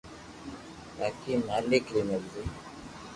باقي مالڪ ري مرزي